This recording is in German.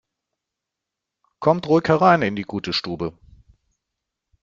Kommt ruhig herein in die gute Stube!